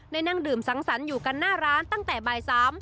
นั่งดื่มสังสรรค์อยู่กันหน้าร้านตั้งแต่บ่าย๓